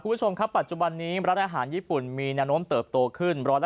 คุณผู้ชมครับปัจจุบันนี้ร้านอาหารญี่ปุ่นมีแนวโน้มเติบโตขึ้น๑๕